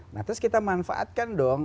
nah terus kita manfaatkan dong